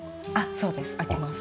そうです開きます。